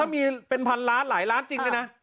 มีเป็นพันล้านหลายล้านจริงด้วยนะ